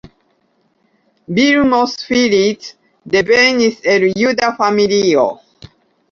Vilmos Pillitz devenis el juda familio.